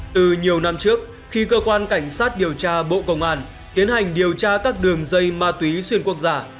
từ nhiều năm trước khi cơ quan cảnh sát điều tra bộ công an tiến hành điều tra các đường dây ma túy xuyên quốc gia